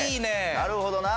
なるほどな。